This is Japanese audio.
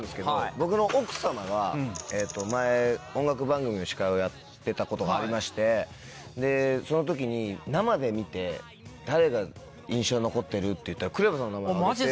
僕の奥様が前音楽番組の司会をやってたことがありましてでその時に生で見て誰が印象に残ってるっていったらＫＲＥＶＡさんの名前を挙げて。